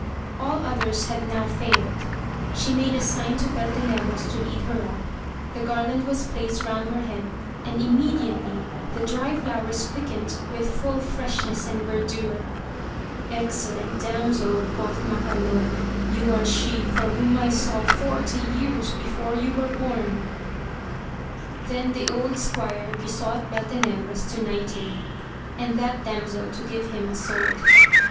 All others had now failed; she made a sign to Beltenebros to lead her up, the garland was placed round her head, and immediately the dry flowers quickened with full freshness and verdure. Excellent damsel, quoth Macandon, you are she for whom I sought forty years before you were bom ! Then the old squire besought Beltenebros to knight him, and that damsel to give him a sword.